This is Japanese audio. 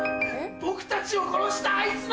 僕たちを殺したあいつの！